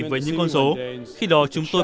với những con số khi đó chúng tôi